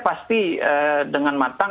pasti dengan matang